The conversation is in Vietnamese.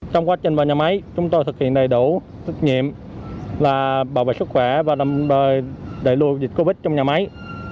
trong quá trình vào nhà máy chúng tôi thực hiện đầy đủ thức nhiệm là bảo vệ sức khỏe và đảm bảo đẩy lùi dịch covid trong nhà máy